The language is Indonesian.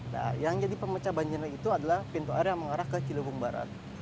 nah yang jadi pemecah banjir itu adalah pintu air yang mengarah ke ciliwung barat